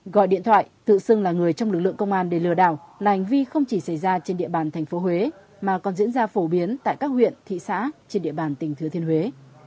gọi điện thoại tự xưng là người trong lực lượng công an để lừa đảo là hành vi không chỉ xảy ra trên địa bàn tp huế mà còn diễn ra phổ biến tại các huyện thị xã trên địa bàn tỉnh thừa thiên huế